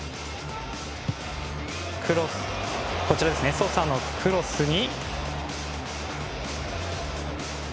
ソサのクロスに。